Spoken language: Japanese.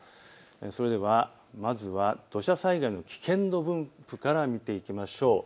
それではまずは土砂災害の危険度分布から見ていきましょう。